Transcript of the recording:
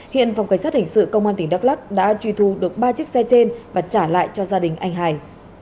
hiện phòng cảnh sát hình sự công an tỉnh đắk lắc đã truy thu được ba chiếc xe trên và trả lại cho gia đình anh hải